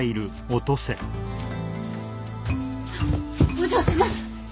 お嬢様！